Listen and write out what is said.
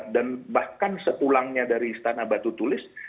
dan bahkan seulangnya dari istana batu tulis